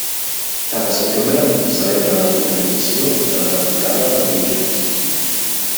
Cada setembre celebren la finalització de la temporada de pluges.